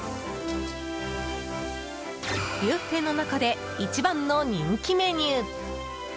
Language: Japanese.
ビュッフェの中で一番の人気メニュー。